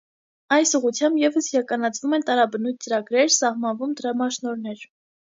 Այս ուղղությամբ ևս իրականացվում են տարաբնույթ ծրագրեր, սահմանվում դրամաշնորհներ։